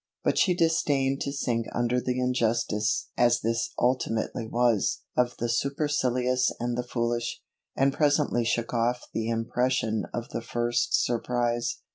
But she disdained to sink under the injustice (as this ultimately was) of the supercilious and the foolish, and presently shook off the impression of the first surprize.